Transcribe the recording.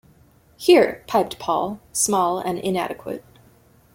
“Here!” piped Paul, small and inadequate.